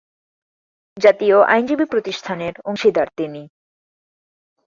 জাতীয় আইনজীবী প্রতিষ্ঠানের অংশীদার তিনি।